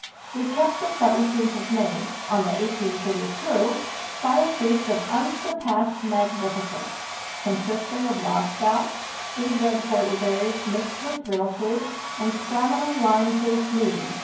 We kept the Seventeenth of May—on the 18th, it is true —by a feast of unsurpassed magnificence, consisting of lobscouse, stewed red whortleberries mixed with vril food, and stamina lime juice mead (2.